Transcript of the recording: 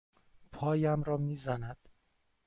پایم را می زند.